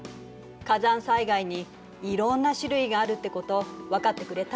火山災害にいろんな種類があるってこと分かってくれた？